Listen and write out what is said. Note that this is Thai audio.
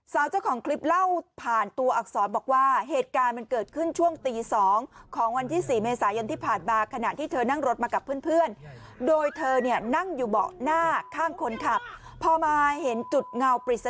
สาวเจ้าของคลิปเล่าผ่านตัวอักษรบอกว่าเหตุการณ์มันเกิดขึ้นช่วงตี๒ของวันที่๔เมษายนที่ผ่านบ้าง